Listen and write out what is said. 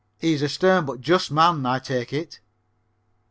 He is a stern but just man, I take it.